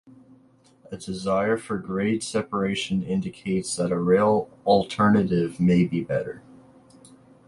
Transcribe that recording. A desire for grade separation indicates that a rail alternative may be better.